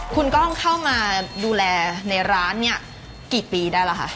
คุณกล้องเข้ามาดูแลในร้านเนี่ยกี่ปีได้แล้วคะ